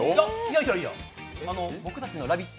いやいや、僕たちの「ラヴィット！」